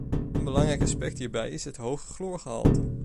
Een belangrijk aspect hierbij is het hoge chloorgehalte.